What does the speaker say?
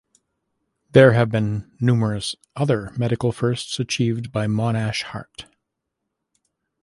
There have been numerous other medical firsts achieved by MonashHeart.